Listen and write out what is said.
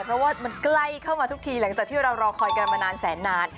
เพราะว่ามันใกล้เข้ามาทุกทีหลังจากที่เรารอคอยกันมานานแสนนาน